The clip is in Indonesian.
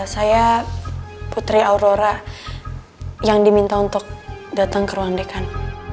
saya putri aurora yang diminta untuk datang ke ruang dekan